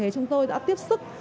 chúng tôi đã tiếp xúc